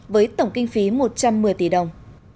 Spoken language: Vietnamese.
với tổng kinh phí một trăm một mươi tỷ đồng